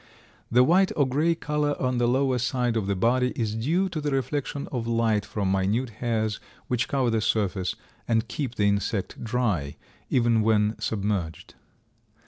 The white or gray color on the lower side of the body is due to the reflection of light from minute hairs which cover the surface, and keep the insect dry even when submerged.